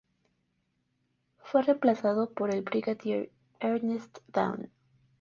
Fue reemplazado por el brigadier Ernest Down.